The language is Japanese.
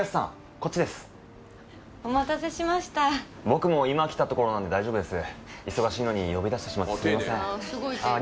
こっちですお待たせしました僕も今来たところなんで大丈夫です忙しいのに呼び出してしまってすいませんああ